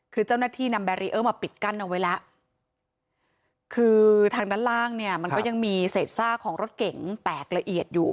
คือเจ้าหน้าที่นำแบรีเออร์มาปิดกั้นเอาไว้แล้วคือทางด้านล่างเนี่ยมันก็ยังมีเศษซากของรถเก๋งแตกละเอียดอยู่